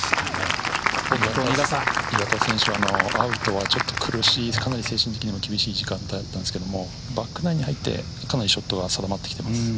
岩田選手はアウトはかなり精神的にも厳しい時間帯だったんですけどバックナインに入ってショットが定まってきています。